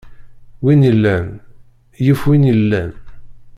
Win illan, yif win ilan.